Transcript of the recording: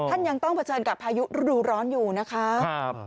ท่านยังต้องเผชิญกับพายุฤดูร้อนอยู่นะคะ